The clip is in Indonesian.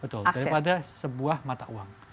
betul daripada sebuah mata uang